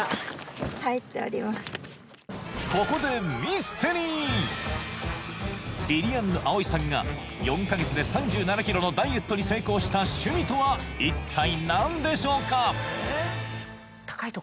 ここでミステリーりりあんぬ葵さんが４か月で３７ｋｇのダイエットに成功した趣味とは一体何でしょうか？